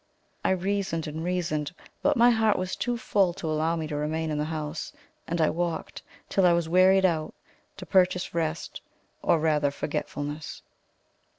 I reasoned and reasoned; but my heart was too full to allow me to remain in the house, and I walked, till I was wearied out, to purchase rest or rather forgetfulness.